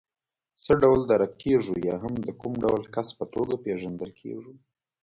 څه ډول درک کېږو یا هم د کوم ډول کس په توګه پېژندل کېږو.